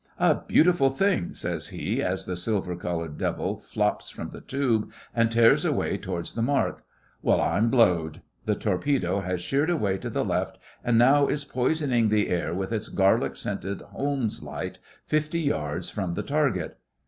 'A beautiful thing,' says he, as the silver coloured devil flops from the tube and tears away towards the mark. ... 'Well, I'm blowed.' The torpedo has sheered away to the left, and now is poisoning the air with its garlic scented Holmes light, fifty yards from the target.